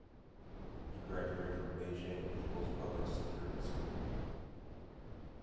He graduated from Beijing People's Public Security School.